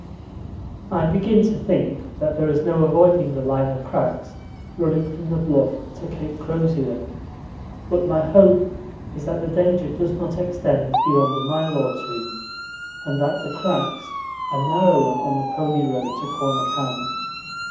I begin to think that there is no avoiding the line of cracks running from the Bluff to Cape Crozier, but my hope is that the danger does not extend beyond a mile or two, and that the cracks are narrower on the pony road to Corner Camp.